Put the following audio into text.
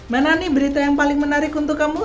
mana nih berita yang paling menarik untuk kamu